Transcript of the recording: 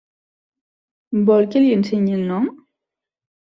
Vol que li ensenyi el nom?